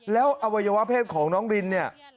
แล้วอวัยวะเพศของน้องรินเนี่ย